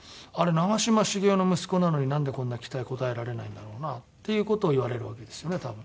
長嶋茂雄の息子なのになんでこんな期待応えられないんだろうな？」っていう事を言われるわけですよね多分。